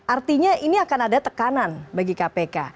artinya ini akan ada tekanan bagi kpk